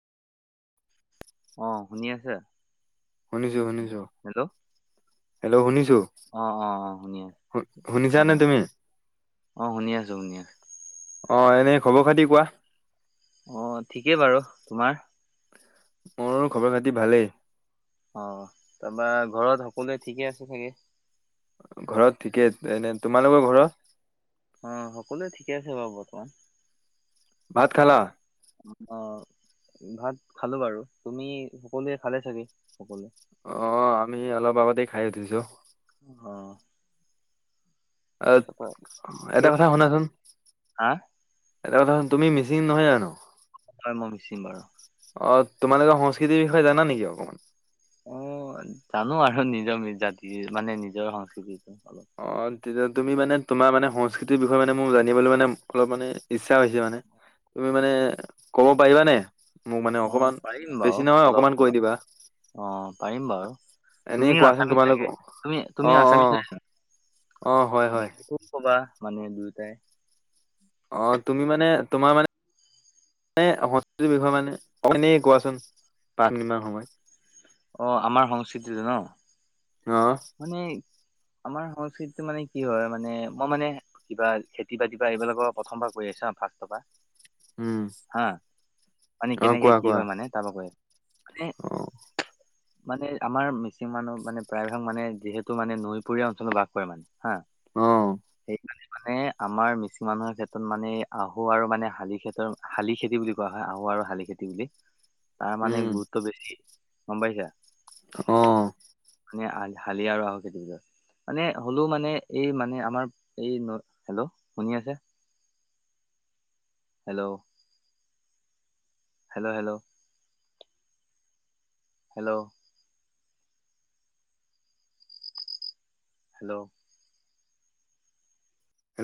অ' শুনি আছা শুনিছো শুনিছো হেল্ল' শুনিছো অ অ অ শুনিছো শু অ শুনিছানে তুমি অ শুনি আছো শুনি আছো অ এনেই খবৰ খাতি কোৱা অ ঠিকেই বাৰু তোমাৰ মোৰ খবৰ খাতি ভালেই অ তাৰপৰা ঘৰত সকলোৱে ঠিকে আছে চাগে ঘৰত ঠিকেই এনে তোমালোকৰ ঘৰত অ' সকলোৱে ঠিকে আছে বাৰু বৰ্তমান ভাত খালা অ' ভাত খালো বাৰু তুমি সকলোৱে খালে চাগে সকলোৱে অ' আমি অলপ আগতেই খাই উঠিছো অ' অ' তাৰপা এটা কিয় কথা শুনাচোন হা এটা কথা শুন তুমি মিচিং নহয় জানো হয় মই মিচিং বাৰু। অ' তোমালোকৰ সংস্কৃতিৰ বিষয়ে জানা নেকি অকণমান অ' জানো আৰু নিজৰ জাতি মানে নিজৰ সংস্কৃতিটো অলপ অ' তেতিয়া তুমি মানে তোমাৰ মানে সংস্কৃতিৰ বিষয়ে মানে মোৰ জানিবলৈ মানে অলপ মানে ইচ্ছা হৈছে মানে তুমি মানে কব পাৰিবানে? মোক মানে অ অকমান পাৰিম বাৰু বেছি নহয় অলপ অকমান কৈ অলপ দিবা অ পাৰিম বাৰু এনেই তুমিও কোৱাচোন আছামিছ তোমালোক চাগে অ- তুমি অ তুমিও আছামিছ অ হয় -হয় মানুহে দুয়োটাই অ' তুমি মানে তোমাৰ মানে মে সংস্কৃতিৰ বিষয়ে মানে এনেই কোৱাচোন পণ কিমান সময়। অ' আমাৰ সংস্কৃতিটো ন অ ' মানে আমাৰ সংস্কৃতি মানে কি হয় মানে মই মানে কিবা খেতি বাতি বা এইবিলাকৰ প্ৰথমবাৰ কৈ আছো ফাষ্টৰপৰা হম। মানে কেনেকে কি হয় মানে তাৰাপাক মানে অ মানে আমাৰ মিচিং মানুহ মানে প্ৰায়ভাগ মানে যিহেতু মানে নৈপুৰীয়া অঞ্চলত বাস কৰে মানে হা অ সেই মানে আমাৰ মিচিং মানুহৰ ক্ষেত্ৰত মানে আহু আৰু মানে শালি ক্ষেতৰ শালি খেতি বুলি কোৱা হয় আহু ব শালি খেতি বুলি তাৰ মানে উম গুৰুত্ব বেছি গম পাইছা অ মনে শালি আৰু আহোঁ খেতি টো মানে হ'লেও মানে এই মানে আমাৰ এই হেল্ল' শুনি আছে উ, hello hello hello hello hello